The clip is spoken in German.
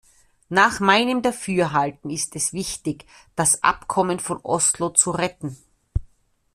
Nach meinem Dafürhalten ist es wichtig, das Abkommen von Oslo zu retten.